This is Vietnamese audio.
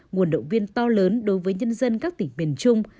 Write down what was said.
nguồn động viên to lớn đối với nhân dân các tỉnh miền trung